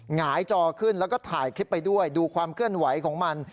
หงายจอขึ้นแล้วก็ถ่ายคลิปไปด้วยดูความเคลื่อนไหวของมัน